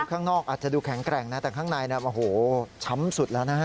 ข้างนอกอาจจะดูแข็งแกร่งนะแต่ข้างในโอ้โหช้ำสุดแล้วนะฮะ